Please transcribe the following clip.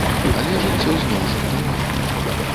Але жыццё зноў жартавала.